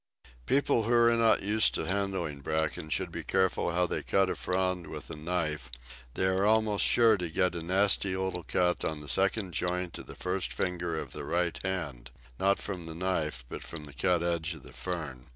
People who are not used to handling Bracken should be careful how they cut a frond with a knife; they are almost sure to get a nasty little cut on the second joint of the first finger of the right hand not from the knife, but from the cut edge of the fern.